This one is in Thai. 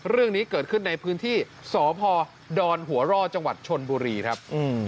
เรื่องนี้เกิดขึ้นในพื้นที่สพดอนหัวร่อจังหวัดชนบุรีครับ